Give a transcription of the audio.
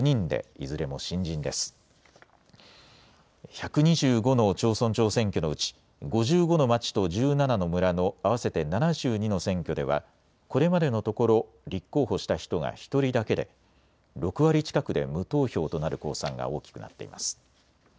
１２５の町村長選挙のうち５５の町と１７の村の合わせて７２の選挙ではこれまでのところ立候補した人が１人だけで６割近くで無投票となる公算が大きくなっています。